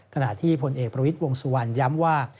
ขณะที่พลเอกประวิทย์วงสุวรรณย้ำว่า